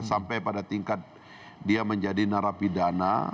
sampai pada tingkat dia menjadi narapidana